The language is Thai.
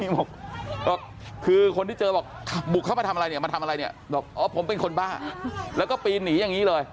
บอกคือคนที่เจอบอกบุกเข้ามาทำอะไรเนี่ยมาทำอะไรเนี่ยบอกอ๋อผมเป็นคนบ้าแล้วก็ปีนหนีอย่างนี้เลย